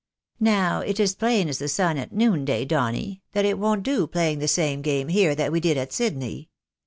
Now, it is as plain as the sun at noon day, Donny, that it won't do playing the same game here that we did at Sydney.